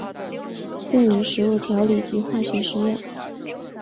用于食物调理及化学实验。